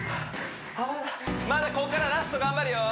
まだこっからラスト頑張るよ